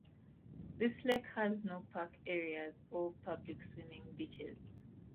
This lake has no park areas or public swimming beaches.